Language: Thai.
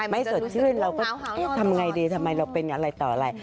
สดชื่นเราก็ทำไงดีทำไมเราเป็นอะไรต่ออะไร